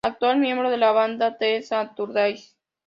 Actual miembro de la banda The Saturdays.